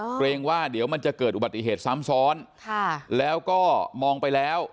เกรงว่าเดี๋ยวมันจะเกิดอุบัติเหตุซ้ำซ้อนค่ะแล้วก็มองไปแล้ว